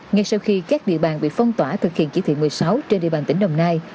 ngay sau khi các địa bàn bị phong tỏa thực hiện chỉ thị một mươi sáu trên địa bàn tỉnh đồng nai